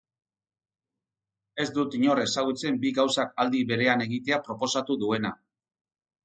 Ez dut inor ezagutzen bi gauzak aldi berean egitea proposatu duena.